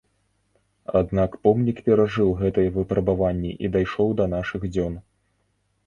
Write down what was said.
Аднак помнік перажыў гэтыя выпрабаванні і дайшоў да нашых дзён.